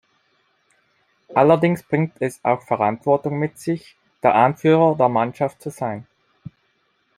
Allerdings bringt es auch Verantwortung mit sich, der Anführer der Mannschaft zu sein.